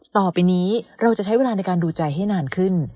ต่อไปนี้เราจะใช้เวลาในการดูใจให้นานขึ้น